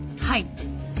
はい。